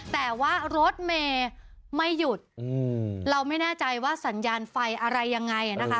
แต่ว่ารถเมย์ไม่หยุดเราไม่แน่ใจว่าสัญญาณไฟอะไรยังไงนะคะ